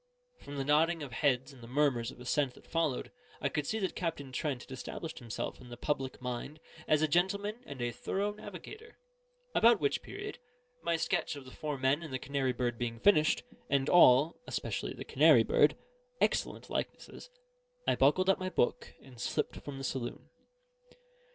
From the nodding of heads and the murmurs of assent that followed, I could see that Captain Trent had established himself in the public mind as a gentleman and a thorough navigator: about which period, my sketch of the four men and the canary bird being finished, and all (especially the canary bird) excellent likenesses, I buckled up my book, and slipped from the saloon.